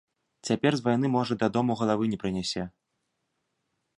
Цяпер з вайны, можа, дадому галавы не прынясе.